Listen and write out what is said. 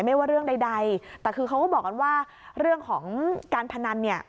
ไม่ว่าเรื่องใดแต่คือเขาก็บอกกันว่าเรื่องของการพนันเนี่ย